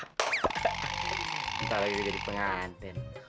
entar lagi jadi penganten